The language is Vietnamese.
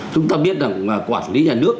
chúng ta biết là quản lý nhà nước